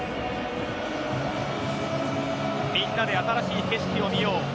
みんなで新しい景色を見よう。